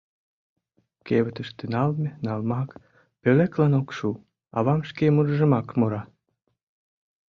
— Кевытыште налме — налмак, пӧлеклан ок шу, — авам шке мурыжымак мура.